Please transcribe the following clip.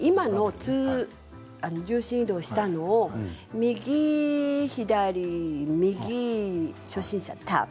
重心移動したのを右左、初心者はタップ。